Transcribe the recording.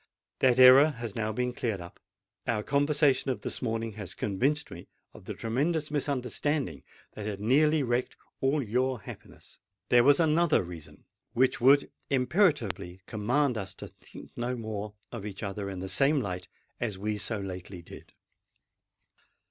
That error has now been cleared up—our conversation of this morning has convinced me of the tremendous misunderstanding that had nearly wrecked all your happiness! But, even had it not, there was another reason which would imperatively command us to think no more of each other in the same light as we so lately did!"